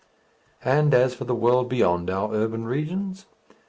And as for the world beyond our urban regions?